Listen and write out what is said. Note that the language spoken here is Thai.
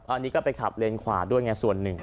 อันนี้ก็ไปขับเลนขวาด้วยไงส่วนหนึ่ง